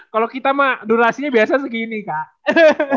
kalau kita mah durasinya biasa segini kak